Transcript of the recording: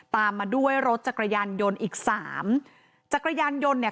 ตามมาด้วยรถจักรยานยนต์อีกสามจักรยานยนต์เนี่ย